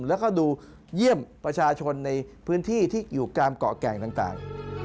แล้วก็ดูเยี่ยมประชาชนที่อยู่กลามเกาะแกมต่าง